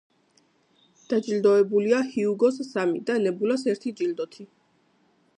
დაჯილდოებულია ჰიუგოს სამი და ნებულას ერთი ჯილდოთი.